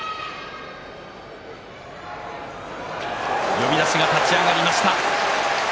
呼出しが立ち上がりました。